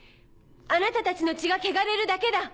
あなたたちの血が汚れるだけだ